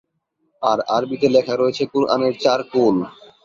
আর আরবিতে লেখা রয়েছে কোরআনের চার কুল।